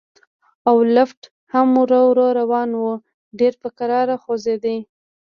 او لفټ هم ورو ورو روان و، ډېر په کراره خوځېده.